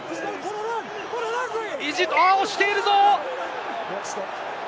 押しているぞ！